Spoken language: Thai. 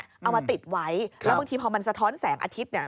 เอามาติดไว้แล้วบางทีพอมันสะท้อนแสงอาทิตย์เนี่ย